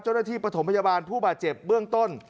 เจ้าหน้าที่ปฐมพยาบาลผู้บาดเจ็บเบื้องต้น